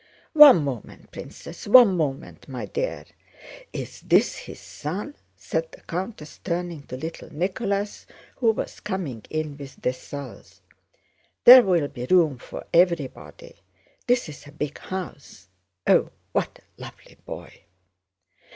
"One moment, Princess, one moment, my dear! Is this his son?" said the countess, turning to little Nicholas who was coming in with Dessalles. "There will be room for everybody, this is a big house. Oh, what a lovely boy!"